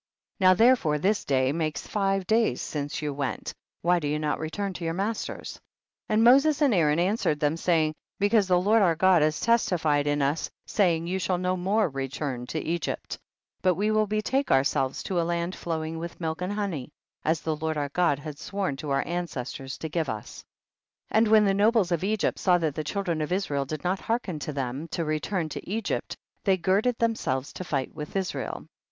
14. Now therefore this day makes five days since you went, why do you not return to your masters ? 15. And Moses and Aaron an swered them, saying, because the Lord our God has testified in us, say ing, you shall no more return to Egypt, but we will betake ourselves to a land flowing with milk and ho ney, as the Lord our God had sworn to our ancestors to give to us. 16. And when the nobles of Egypt saw that the children of Israel did not hearken to them, to return to Egypt, they girded themselves to fight with Israel.